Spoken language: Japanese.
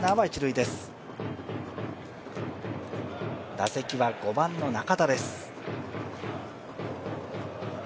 打席は５番の中田です。